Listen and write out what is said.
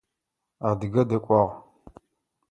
Адыгэ дакӏуагъ.